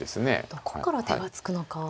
どこから手がつくのか。